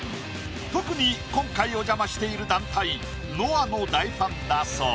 特に今回お邪魔している団体「ノア」の大ファンだそう。